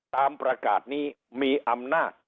ตามประกาศนี้มีอำนาจ